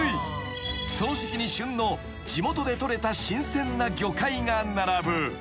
［その時季に旬の地元で取れた新鮮な魚介が並ぶ］